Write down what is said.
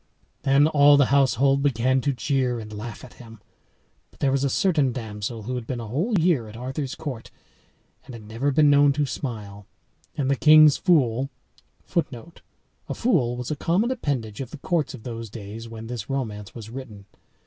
Then all the household began to jeer and laugh at him. But there was a certain damsel who had been a whole year at Arthur's court, and had never been known to smile. And the king's fool [Footnote: A fool was a common appendage of the courts of those days when this romance was written.